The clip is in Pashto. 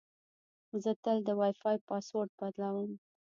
زه تل د وای فای پاسورډ بدلوم.